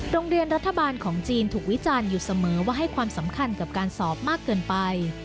โรงเรียนรัฐบาลของจีนถูกวิจารณ์อยู่เสมอว่าให้ความสำคัญกับการสอบมากเกินไป